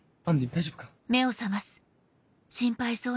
大丈夫か？